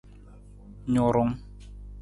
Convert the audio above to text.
Nurung.